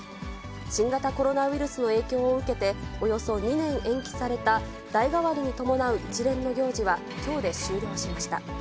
新型コロナウイルスの影響を受けて、およそ２年延期された代替わりに伴う一連の行事はきょうで終了しました。